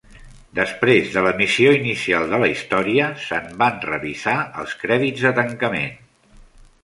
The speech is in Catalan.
Després de l'emissió inicial de la història, se'n van revisar els crèdits de tancament.